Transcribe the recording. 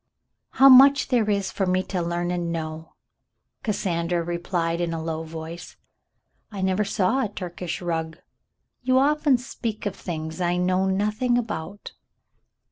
"How much there is for me to learn and know," Cas sandra replied in a low voice. " I never saw a Turkish rug. You often speak of things I know nothing about."